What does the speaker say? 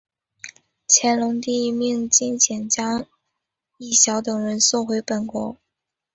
乾隆帝命金简将益晓等人送回本国。